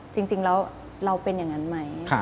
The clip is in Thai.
จริงแล้วเราเป็นอย่างนั้นไหม